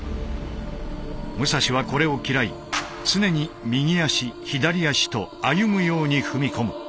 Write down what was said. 武蔵はこれを嫌い常に右足左足と歩むように踏み込む。